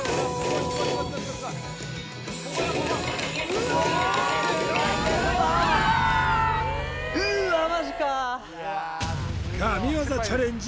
うわっマジか神業チャレンジ